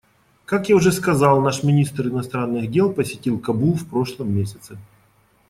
Как я уже сказал, наш министр иностранных дел посетил Кабул в прошлом месяце.